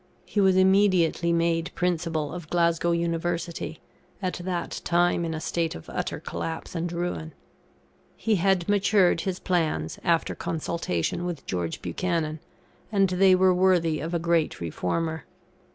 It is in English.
He was immediately made Principal of Glasgow University, at that time in a state of utter collapse and ruin. He had matured his plans, after consultation with George Buchanan, and they were worthy of a great reformer.